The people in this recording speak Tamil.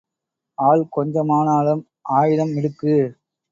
ஆள் கொஞ்சமானாலும் ஆயுதம் மிடுக்கு.